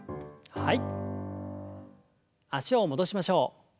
はい。